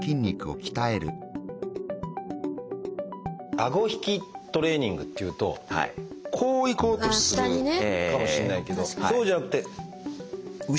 あご引きトレーニングっていうとこういこうとするかもしれないけどそうじゃなくて後ろにってことですね？